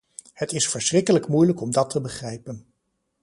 Het is verschrikkelijk moeilijk om dat te begrijpen.